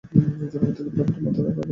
জনমতের ব্যাপারটা মাথায় রাখা লাগবে।